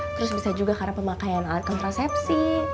terus bisa juga karena pemakaian alat kontrasepsi